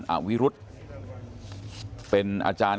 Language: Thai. คุณยายบอกว่ารู้สึกเหมือนใครมายืนอยู่ข้างหลัง